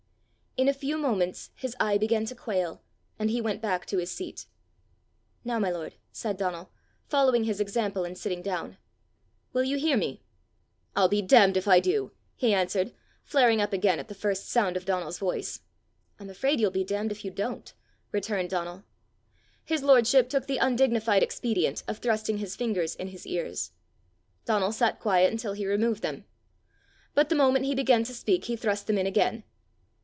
In a few moments his eye began to quail, and he went back to his seat. "Now, my lord," said Donal, following his example and sitting down, "will you hear me?" "I'll be damned if I do!" he answered, flaring up again at the first sound of Donal's voice. "I'm afraid you'll be damned if you don't," returned Donal. His lordship took the undignified expedient of thrusting his fingers in his ears. Donal sat quiet until he removed them. But the moment he began to speak he thrust them in again.